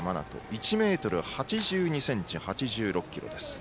１ｍ８２ｃｍ、８６ｋｇです。